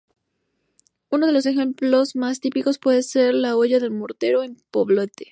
Uno de los ejemplos más típicos puede ser la Hoya del Mortero, en Poblete.